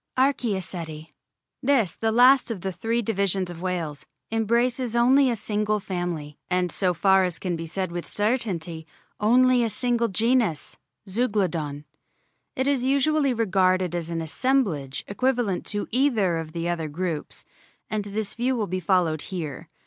ARCH&OCETI This, the last of the three divisions of whales, embraces only a single family, and, so far as can be said with certainty, only a single genus, Zeuglodon. It is usually regarded as an assemblage equivalent to either of the other groups, and this view will be followed here.